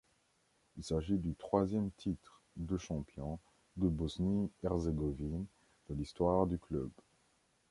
Il s'agit du troisième titre de champion de Bosnie-Herzégovine de l'histoire du club.